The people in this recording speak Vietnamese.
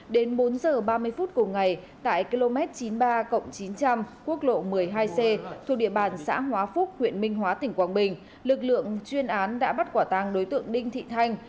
đến bốn h ba mươi phút cùng ngày tại km chín mươi ba chín trăm linh quốc lộ một mươi hai c thuộc địa bàn xã hóa phúc huyện minh hóa tỉnh quảng bình lực lượng chuyên án đã bắt quả tàng đối tượng đinh thị thanh